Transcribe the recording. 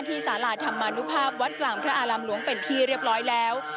สาราธรรมนุภาพวัดกลางพระอารามหลวงเป็นที่เรียบร้อยแล้ว